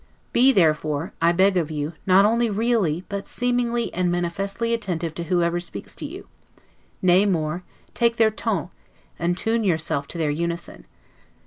Be therefore, I beg of you, not only really, but seemingly and manifestly attentive to whoever speaks to you; nay, more, take their 'ton', and tune yourself to their unison.